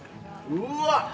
◆うわっ。